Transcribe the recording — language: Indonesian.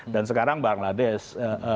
dan sekarang bangladesh